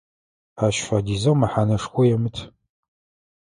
Ащ фэдизэу мэхьанэшхо емыт.